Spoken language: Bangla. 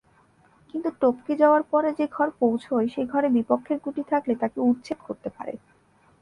কিন্তু টপকে যাওয়ার পরে যে ঘর পৌঁছয়, সে ঘরে বিপক্ষের গুটি থাকলে তাকে উচ্ছেদ করতে পারে।